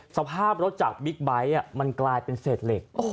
สภาพรถจากบิ๊กไบท์มันกลายเป็นเศษเหล็ก